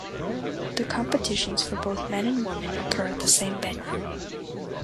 The competitions for both men and women occur at the same venue.